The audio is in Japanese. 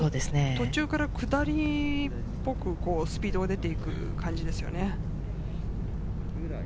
途中から下りっぽくスピードが出て行く感じですね。